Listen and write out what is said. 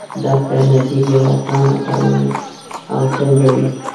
ډاکټر نجیب یو افغان اتل وو او تل به وي